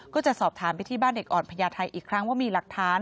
ก็จะสอบถามไปที่บ้านเด็กอ่อนพญาไทยอีกครั้งว่ามีหลักฐาน